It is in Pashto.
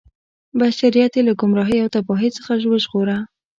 بشریت یې له ګمراهۍ او تباهۍ څخه وژغوره.